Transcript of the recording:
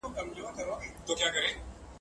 په کې مات ستوری په وطن نه منو